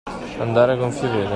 Andare a gonfie vele.